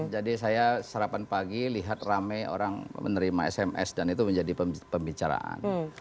jadi saya sarapan pagi lihat ramai orang menerima sms dan itu menjadi pembicaraan